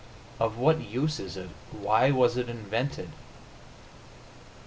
Of what use is it? Why was it invented?